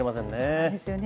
そうですよね。